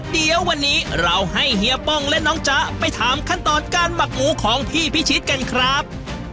เดี๋ยววันนี้เราให้เฮียป้องและน้องจ๊ะไปถามขั้นตอนการหมักหมูของพี่พิชิตกันครับ